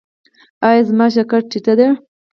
ایا زما شکر ټیټ دی؟